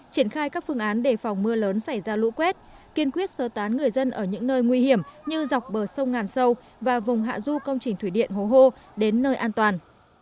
triển khai các phương án đề phòng mưa lớn xảy ra lũ quét kiên quyết sơ tán người dân ở những nơi nguy hiểm như dọc bờ sông ngàn sâu và vùng hạ du công trình thủy điện hố hô đến nơi an toàn